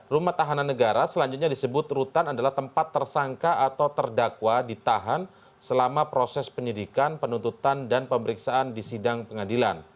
rumah tahanan negara selanjutnya disebut rutan adalah tempat tersangka atau terdakwa ditahan selama proses penyidikan penuntutan dan pemeriksaan di sidang pengadilan